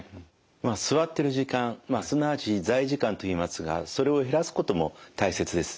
まあ座ってる時間すなわち座位時間といいますがそれを減らすことも大切です。